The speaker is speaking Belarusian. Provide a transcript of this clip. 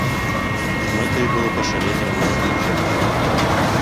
Мэтаю было пашырэнне ворыўных зямель.